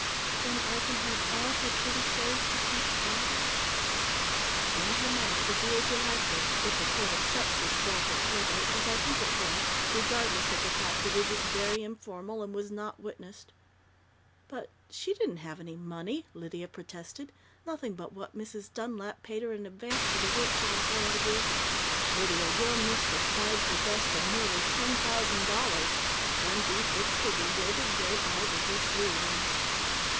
"Then I can have all her pretty clothes to keep always?" "And her money, to do as you like with, if the court accepts this will for probate as I think it will, regardless of the fact that it is very informal and was not witnessed." "But she didn't have any money," Lydia protested. "Nothing but what Mrs. Dunlap paid her in advance for the work she was going to do " "Lydia, your mistress died possessed of nearly ten thousand dollars!" Dundee fixed her bewildered grey eye with his blue ones.